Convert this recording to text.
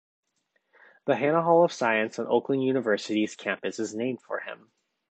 The Hannah Hall of Science on Oakland University's campus is named for him.